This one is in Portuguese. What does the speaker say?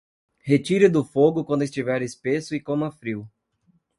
Retire do fogo quando estiver espesso e coma frio.